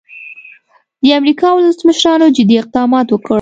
د امریکا ولسمشرانو جدي اقدامات وکړل.